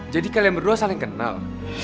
jadi kalian berdua saling kenal